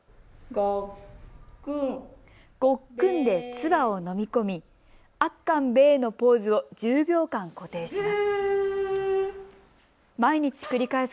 ごっくんで唾を飲み込み、あっかんべーのポーズを１０秒間固定します。